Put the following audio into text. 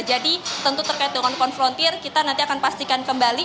jadi tentu terkait dengan konfrontir kita nanti akan pastikan kembali